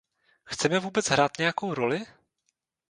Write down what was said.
Chceme vůbec hrát nějakou roli?